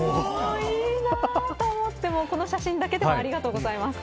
いいなと思ってこの写真だけでもありがとうございます。